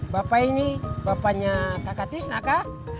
bapak ini bapaknya kakak tisna kah